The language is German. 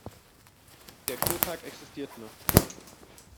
Der Kurpark existiert noch.